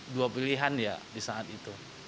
dua pilihan ya di saat itu